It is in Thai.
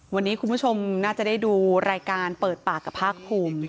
วันนี้คุณผู้ชมน่าจะได้ดูรายการเปิดปากกับภาคภูมิ